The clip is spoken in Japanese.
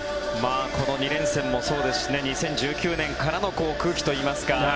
この２連戦もそうですし２０１９年からの空気といいますか。